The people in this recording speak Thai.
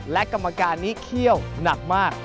และกรรมการนี้เขี้ยวหนักมาก